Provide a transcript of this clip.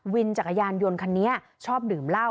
วินจากอาหารยนต์คันนี้ชอบดื่มล้าว